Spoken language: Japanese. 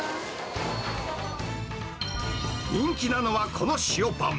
人気なのは、この塩パン。